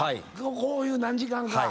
こういう何時間か。